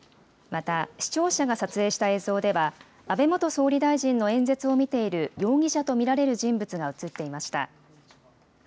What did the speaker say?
また、視聴者が撮影した映像では、安倍元総理大臣の演説を見ている容疑者と見られる人物が写っていました。